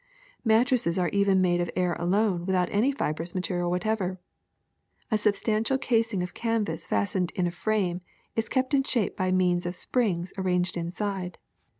Mattresses are even made of air alone without any fibrous material whatever. A substantial cas ing of canvas fastened in a frame is kept in shape by means of springs arranged inside.